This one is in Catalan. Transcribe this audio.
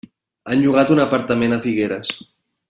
Han llogat un apartament a Figueres.